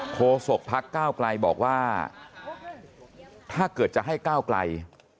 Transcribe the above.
โศกพักก้าวไกลบอกว่าถ้าเกิดจะให้ก้าวไกล